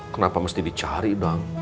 kenapa mesti dicari bang